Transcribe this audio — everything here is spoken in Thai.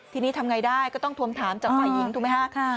ทีนี้ทำไงได้ก็ต้องทวงถามจากฝ่ายหญิงถูกไหมฮะ